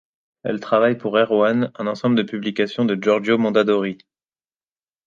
Elle travaille pour Airone, un ensemble de publications de Giorgio Mondadori.